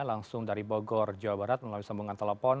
langsung dari bogor jawa barat melalui sambungan telepon